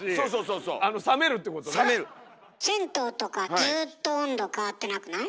銭湯とかずっと温度変わってなくない？